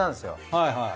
はいはい。